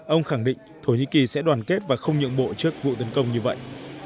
ông khẳng định thổ nhĩ kỳ sẽ đoàn kết và không nhượng bộ trước vụ tấn công như vậy